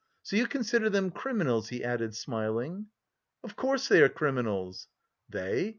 "So you consider them criminals?" he added, smiling. "Of course they are criminals." "They?